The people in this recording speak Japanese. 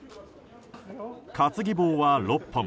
担ぎ棒は６本。